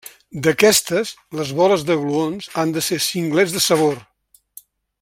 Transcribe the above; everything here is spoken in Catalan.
D'aquestes, les boles de gluons han de ser singlets de sabor.